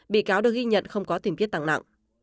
bị cáo được ghi nhận không có tình tiết tăng nặng